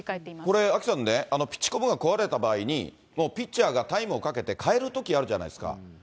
これ、アキさんね、ピッチコムが壊れた場合に、もうピッチャーがタイムをかけて変えるときあるじゃないですか。